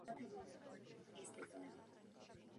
Profesí byl předseda Svazu křesťanských odborových sdružení.